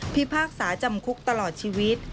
พิพากษาจำคุกตลอดชีวิต